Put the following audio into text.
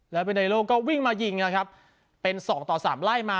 แล้ววินัยโลกก็วิ่งมายิงนะครับเป็นสองต่อสามไล่มา